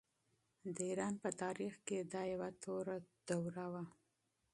د ایران په تاریخ کې دا یوه توره دوره وه.